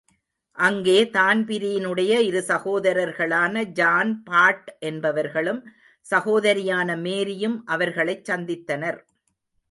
அங்கேதான்பிரீனுடைய இரு சகோதரர்களான ஜான், பாட் என்பவர்களும் சகோதரியான மேரியும் அவர்களைச் சந்தித்தனர்.